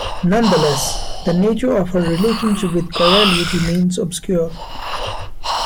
Nonetheless, the nature of her relationship with Corelli remains obscure.